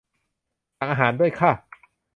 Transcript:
สั่งอาหารด้วยค่ะ